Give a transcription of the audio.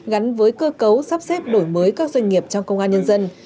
gắn với cơ cấu sắp xếp đổi mới các doanh nghiệp trong công an nhân dân